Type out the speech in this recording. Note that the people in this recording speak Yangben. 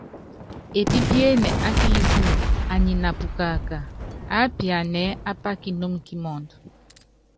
Epípíene á kilísimɛt anyi na pukaka, aápianan ɛ́ɛ́ ápá kinúmu kímɔɔdɔ.